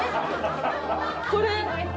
これ？